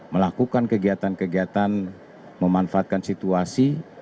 melakukan kegiatan kegiatan memanfaatkan situasi